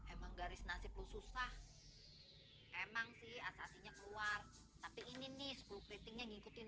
emang garis nasib lu susah emang sih asasinya keluar tapi ini nih sepuluh keritingnya ngikutin